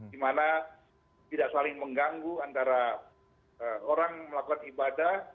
di mana tidak saling mengganggu antara orang melakukan ibadah